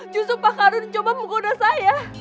justru pak karun coba menggoda saya